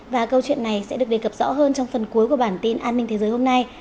và câu chuyện này sẽ được đề cập rõ hơn trong phần cuối của bản tin an ninh thế giới hôm nay